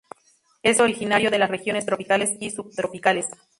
Es originario de las regiones tropicales y subtropicales.